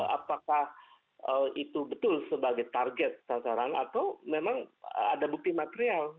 apakah itu betul sebagai target sasaran atau memang ada bukti material